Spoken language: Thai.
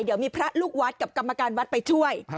เดี๋ยวมีพระลูกวัดกับกรรมการวัดไปช่วย